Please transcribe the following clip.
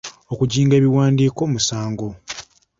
Okujinga ebiwandiiko musango.